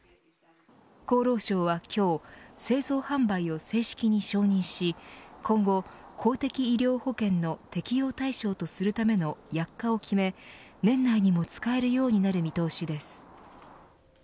厚労省は今日製造販売を正式に承認し今後、公的医療保険の適用対象とするための薬価を決め年内にも使えるようにする見通しです。